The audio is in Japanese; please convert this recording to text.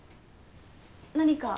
何か？